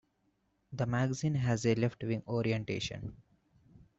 The magazine has a left-wing orientation.